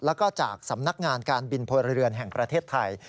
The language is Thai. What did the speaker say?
แล้วก็จากสำนักงานการบินพลเรือนแห่งประเทศไทย